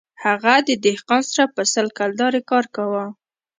هغه د دهقان سره په سل کلدارې کار کاوه